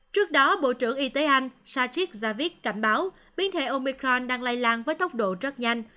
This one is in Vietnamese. trước đó bộ trưởng y tế anh sachik zavich cảnh báo biến thể omicron đang lây lan với tốc độ rất nhanh